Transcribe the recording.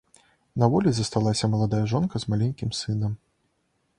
На волі засталася маладая жонка з маленькім сынам.